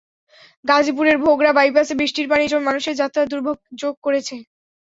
গাজীপুরের ভোগড়া বাইপাসে বৃষ্টির পানি জমে মানুষের যাত্রায় দুর্ভোগ যোগ করেছে।